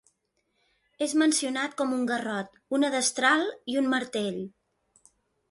És mencionat com un garrot, una destral i un martell.